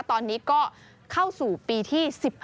ตอนนี้ก็เข้าสู่ปีที่๑๕แล้วนะคะ